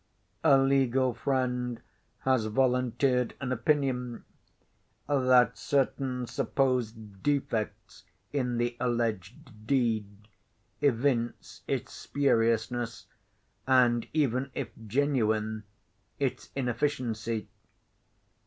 A legal friend has volunteered an opinion, that certain supposed defects in the alleged deed evince its spuriousness, and even if genuine, its inefficiency.